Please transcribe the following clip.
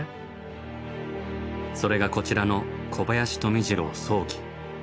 それがこちらの「小林富次郎葬儀」。